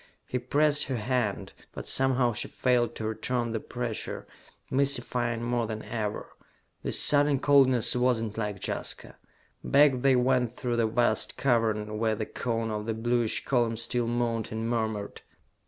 He pressed her hand, but somehow she failed to return the pressure, mystifying more than ever. This sudden coldness was not like Jaska. Back they went through the vast cavern where the cone of the bluish column still moaned and murmured.